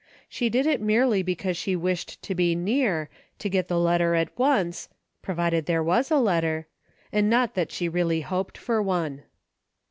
She did it merely because she wished to be near, to get the letter at once, — provided there was a letter, — and not that she really hoped for one.